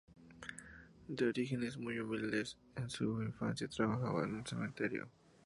De orígenes muy humildes, en su infancia trabajaba en un cementerio.